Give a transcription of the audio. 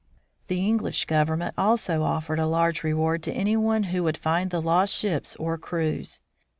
The English government also offered a large reward to any one who would find the lost ships or crews.